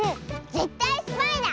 ぜったいスパイだ！